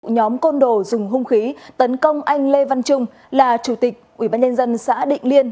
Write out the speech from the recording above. nhóm côn đồ dùng hung khí tấn công anh lê văn trung là chủ tịch ubnd xã định liên